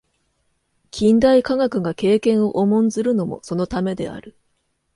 近代科学が経験を重んずるのもそのためである。